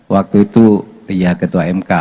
waktu itu ya ketua mk